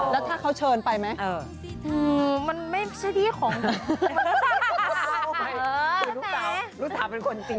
แล้วถ้าเขาเชิญไปไหม